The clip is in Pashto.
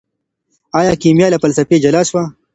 ايا کيميا له فلسفې جلا سوه؟